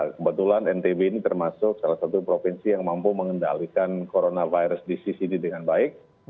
kebetulan ntb ini termasuk salah satu provinsi yang mampu mengendalikan coronavirus disease ini dengan baik